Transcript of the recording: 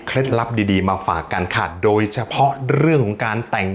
ลับดีดีมาฝากกันค่ะโดยเฉพาะเรื่องของการแต่ง